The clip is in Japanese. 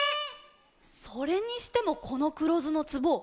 それにしてもこのくろずのつぼ